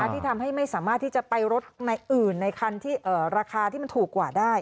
ที่ทำให้ไม่สามารถที่จะไปรถในอื่นในคันที่ราคาที่มันถูกกว่าได้